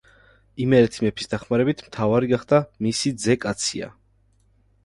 იმერეთის მეფის დახმარებით მთავარი გახდა მისი ძე კაცია.